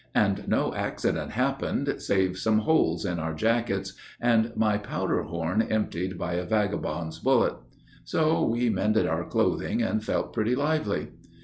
And no accident happened save some holes in our jackets, And my powder horn emptied by a vagabond's bullet. So we mended our clothing and felt pretty lively.